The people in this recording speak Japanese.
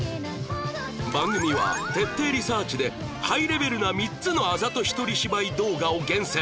番組は徹底リサーチでハイレベルな３つのあざと一人芝居動画を厳選